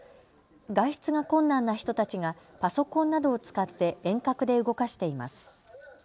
外出が困難な人たちがパソコンなどを使って遠隔で動かしています。